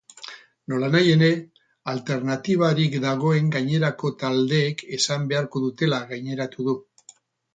Nolanahi ere, alternatibarik dagoen gainerako taldeek esan beharko dutela gaineratu du.